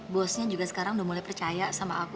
bosnya juga sekarang udah mulai percaya sama aku